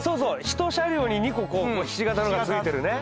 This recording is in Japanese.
一車両に２個ひし形のがついてるね。